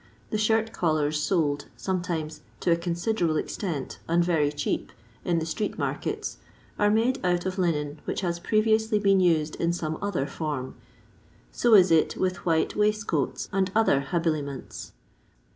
The shirt collars sold, sometimes to a considerable extent and very cheap, in the street markets, are made out of linen which has previously been used in some other form ; so is it with white waistcoats and other habiliments.